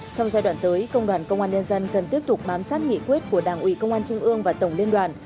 trong giai đoạn tới công đoàn công an nhân dân cần tiếp tục bám sát nghị quyết của đảng ủy công an trung ương và tổng liên đoàn